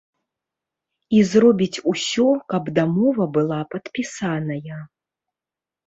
І зробіць усё, каб дамова была падпісаная.